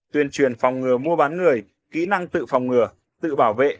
tuyên truyền phòng ngừa mua bán người kỹ năng tự phòng ngừa tự bảo vệ